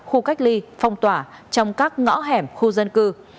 khu cách ly phong tỏa trong các ngõ hẻm khu dân cư